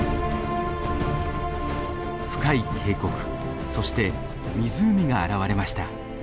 深い渓谷そして湖が現れました。